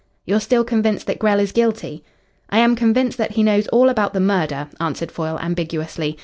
"You're still convinced that Grell is guilty?" "I am convinced that he knows all about the murder," answered Foyle ambiguously.